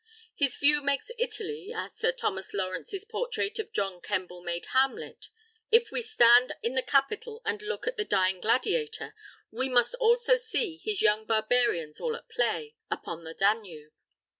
His view makes Italy, as Sir Thomas Lawrence's portrait of John Kemble made Hamlet. If we stand in the Capitol and look at the Dying Gladiator, we must also see "his young barbarians all at play" upon the Danube.